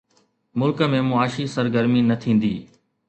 ملڪ ۾ معاشي سرگرمي نه ٿيندي.